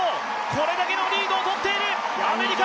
これだけのリードを取っているアメリカ！